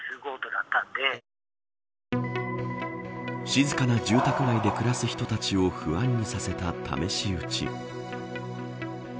静かな住宅街で暮らす人たちを不安にさせた試し撃ち。